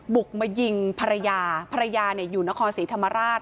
บุกมายิงภรรยาภรรยายุนขศรีธรรมราช